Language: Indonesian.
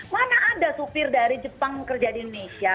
mana ada supir dari jepang kerja di indonesia